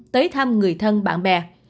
tới thăm người thân bạn bè